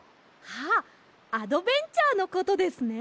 あっアドベンチャーのことですね。